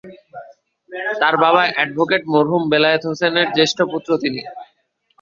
তার বাবা এ্যাডভোকেট মরহুম বেলায়েত হোসেনের জ্যেষ্ঠ পুত্র তিনি।